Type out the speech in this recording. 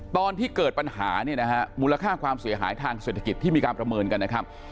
ตอนที่เกิดปัญหาเนี่ยนะฮะมูลค่าความเสียหายทางเศรษฐกิจที่มีการประเมินกันนะครับ